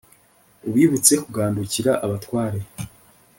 ubibutse kugandukira abatware